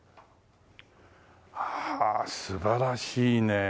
ああ素晴らしいね。